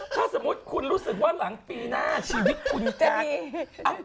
ถ้าสมมุติคุณรู้สึกว่าหลังปีหน้าชีวิตคุณจะดี